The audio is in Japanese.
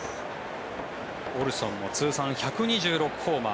オルソンも通算１２６ホーマー